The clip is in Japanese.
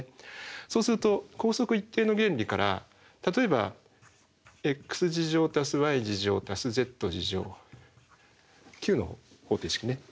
そうすると光速一定の原理から例えば球の方程式ね。